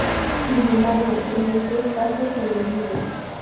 Sin embargo, en los tres casos sobrevive.